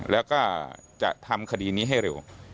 แล้วก็จะทำคดีนี้ให้เร็ว